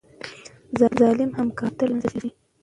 ظالم حکمرانان تل له منځه ځي.